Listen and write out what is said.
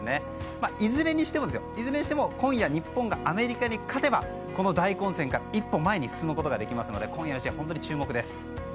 いずれにしても今夜、日本がアメリカに勝てばこの大混戦から一歩前に進むことができるので今夜の試合、注目です。